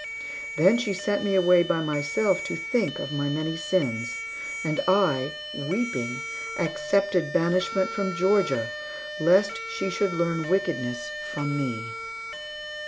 Then she sent me away by myself to think of my many sins; and I, weeping, accepted banishment from Georgia, lest she should learn wickedness from me.